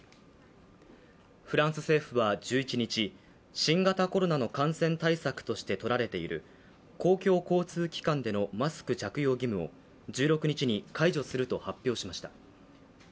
フランス政府は１１日、新型コロナの感染対策としてとられている公共交通機関でのマスク着用義務を１６日に解除すると発表しました。